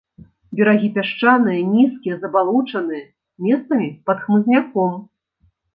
Берагі пясчаныя, нізкія, забалочаныя, месцамі пад хмызняком.